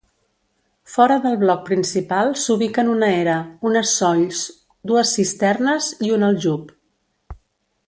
Fora del bloc principal s’ubiquen una era, unes solls, dues cisternes i un aljub.